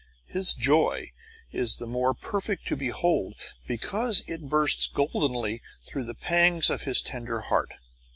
His joy is the more perfect to behold because it bursts goldenly through the pangs of his tender heart.